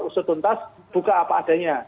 pusut tuntas buka apa adanya